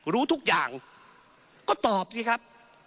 รู้ทุกอย่างก็ตอบสิครับ